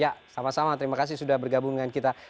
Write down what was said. ya sama sama terima kasih sudah bergabung dengan kita